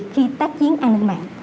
khi tác chiến an ninh mạng